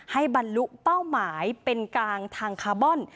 บรรลุเป้าหมายเป็นกลางทางคาร์บอน